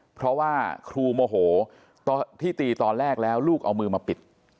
เพราะว่าครูโมโหที่ตีตอนแรกแล้วลูกเอามือมาปิด